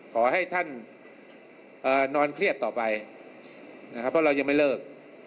ขอให้ท่านนอนเครียดต่อไปนะครับเพราะเรายังไม่เลิก